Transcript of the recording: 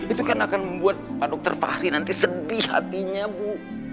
itu kan akan membuat pak dokter fahri nanti sedih hatinya bu